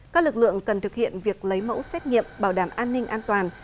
các lực lượng cần thực hiện việc lấy mẫu xét nghiệm bảo đảm an ninh an toàn